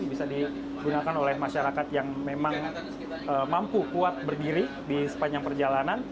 bisa digunakan oleh masyarakat yang memang mampu kuat berdiri di sepanjang perjalanan